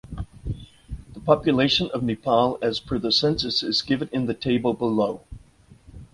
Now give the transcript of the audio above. The population of Nepal as per the census is given in the table below.